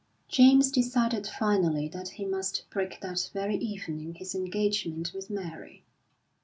James decided finally that he must break that very evening his engagement with Mary.